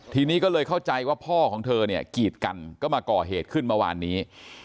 ทีนี้ก็เลยเข้าใจว่าพ่อของเธอเนี่ยกีดกันก็มาก่อเหตุขึ้นเมื่อวานนี้